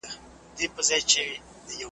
نښانې یې د خپل مرګ پکښي لیدلي .